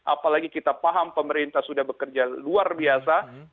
apalagi kita paham pemerintah sudah bekerja luar biasa